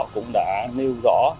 cũng đã nêu rõ